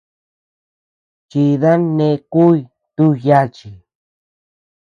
Chida neʼe kuʼuy ntú yachi.